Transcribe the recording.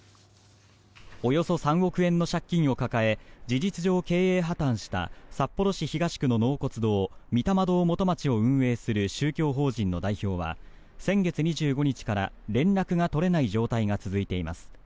およそ３億円の借金を抱え事実上、経営破たんした札幌市東区の納骨堂御霊堂元町を運営する宗教法人の代表は先月２５日から連絡が取れない状態が続いています。